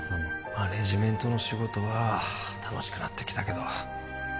マネージメントの仕事は楽しくなってきたけど